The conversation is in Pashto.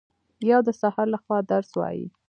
یو د سحر لخوا درس وايي